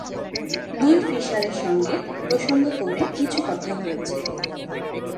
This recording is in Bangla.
লুই ফিসারের সঙ্গে প্রসঙ্গক্রমে কিছু কথা হয়েছে।